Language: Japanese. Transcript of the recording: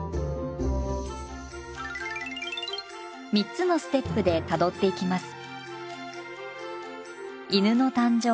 ３つのステップでたどっていきます。